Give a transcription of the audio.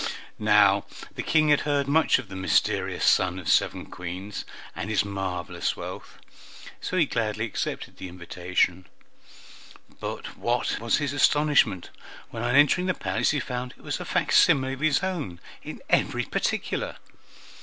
Now the King had heard much of the mysterious son of seven queens, and his marvelous wealth, so he gladly accepted the invitation; but what was his astonishment when on entering the palace he found it was a facsimile of his own in every particular!